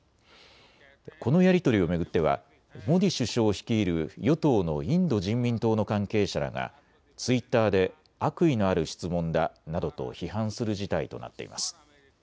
このやり取りを巡ってはモディ首相率いる与党のインド人民党の関係者らがツイッターで悪意のある質問だなどと批判する事態となっています。